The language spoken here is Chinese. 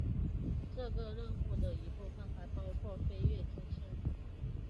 这个任务的一部分还包括飞越金星。